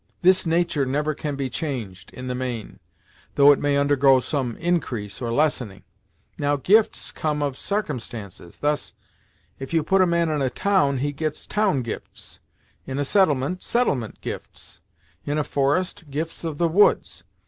This natur' never can be changed, in the main, though it may undergo some increase, or lessening. Now, gifts come of sarcumstances. Thus, if you put a man in a town, he gets town gifts; in a settlement, settlement gifts; in a forest, gifts of the woods.